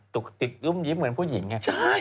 ตุกติกรุ่มยิ้มเหมือนผู้หญิงไง